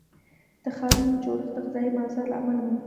د ښارونو جوړښت د غذایي مازاد له امله ممکن شو.